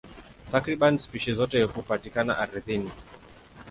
Takriban spishi zote hupatikana ardhini.